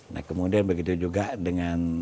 nah kemudian begitu juga dengan